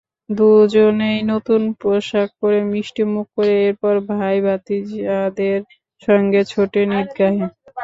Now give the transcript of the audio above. দুজনেই নতুন পোশাক পরে মিষ্টিমুখ করে এরপর ভাই-ভাতিজাদের সঙ্গে ছোটেন ঈদগাহে।